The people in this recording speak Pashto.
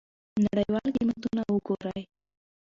نړیوال قیمتونه وګورئ.